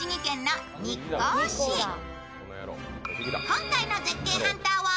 今回の絶景ハンターは